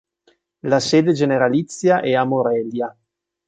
La sede generalizia è a Morelia.